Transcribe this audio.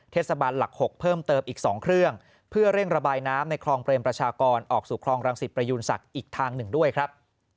บันหลัก๖เพิ่มเติมอีก๒เครื่องเพื่อเร่งระบายน้ำในคลองเปรมประชากรออกสู่คลองรังสิตประยูนศักดิ์อีกทางหนึ่งด้วยครับ